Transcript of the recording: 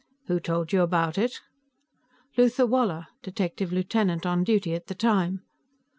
"Who told you about it?" "Luther Woller. Detective lieutenant on duty at the time."